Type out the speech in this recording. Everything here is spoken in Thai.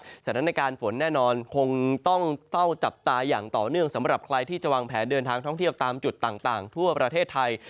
สถานการณ์ฝนแน่นอนคงต้องเฝ้าจับตาอย่างต่อเนื่องสำหรับใครที่จะวางแผนเดินทางท่องเที่ยวตามจุดต่างทั่วประเทศไทย